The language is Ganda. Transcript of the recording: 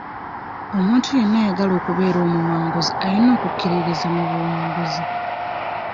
Omuntu yenna ayagala okubeera omuwanguzi ayina okukkiririza mu buwanguzi